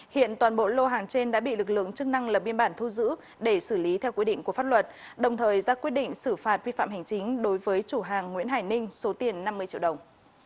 hiện toàn bộ lô hàng trên đã bị lực lượng chức năng lập biên bản thu giữ để xử lý theo quy định của pháp luật đồng thời ra quyết định xử phạt vi phạm hành chính đối với chủ hàng nguyễn hải ninh số tiền năm mươi triệu đồng